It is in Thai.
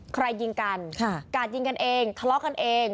ใครยิงกันการยิงกันเองคล้อกกันเอง